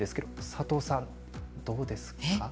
佐藤さん、どうですか？